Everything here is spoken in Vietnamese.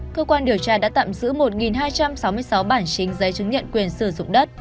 cơ quan điều tra đã tạm giữ một hai trăm sáu mươi sáu bản chính giấy chứng nhận quyền sử dụng đất